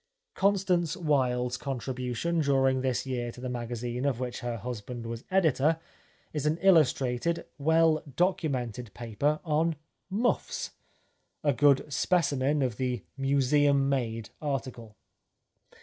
Constance Wilde's contribution during this year to the magazine of which her husband was editor is an illustrated, well "documented" paper on "Muffs," a good specimen of the " Museum made " article.